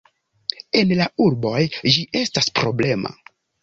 En la urboj, ĝi estas problema.